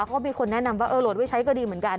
ก็มีคนแนะนำว่าเออโหลดไว้ใช้ก็ดีเหมือนกัน